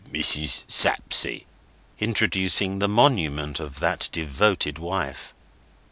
"Mrs. Sapsea;" introducing the monument of that devoted wife.